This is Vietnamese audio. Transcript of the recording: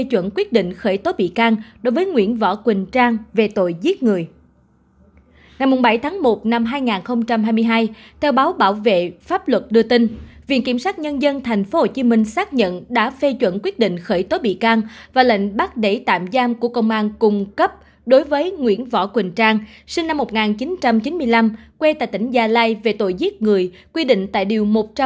các bạn hãy đăng ký kênh để ủng hộ kênh của chúng mình nhé